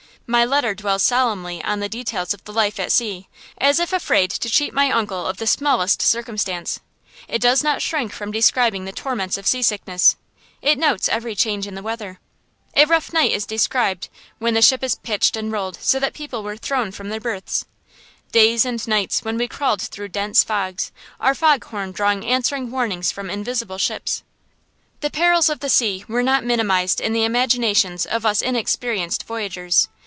My letter dwells solemnly on the details of the life at sea, as if afraid to cheat my uncle of the smallest circumstance. It does not shrink from describing the torments of seasickness; it notes every change in the weather. A rough night is described, when the ship pitched and rolled so that people were thrown from their berths; days and nights when we crawled through dense fogs, our foghorn drawing answering warnings from invisible ships. The perils of the sea were not minimized in the imaginations of us inexperienced voyagers.